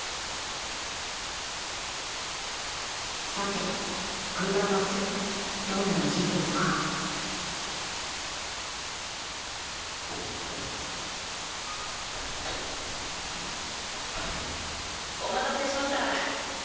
さてグラマスどんな人物かお待たせしました。